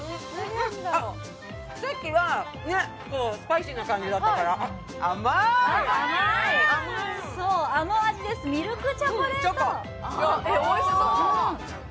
さっきはスパイシーな感じだったから、そう、あの味です、ミルクチョコレート。